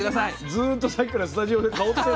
ずっとさっきからスタジオで香ってんのよ。